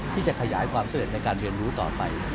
ที่จะขยายความสำเร็จในการเรียนรู้ต่อไป